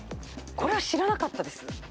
これは知らなかったです。